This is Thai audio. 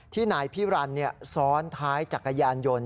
นายพิรันซ้อนท้ายจักรยานยนต์